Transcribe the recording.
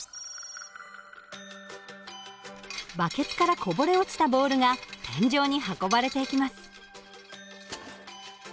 バケツからこぼれ落ちたボールが天井に運ばれていきます。